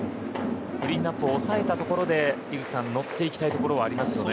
クリーンアップを抑えたところで井口さん乗っていきたいところはありますね。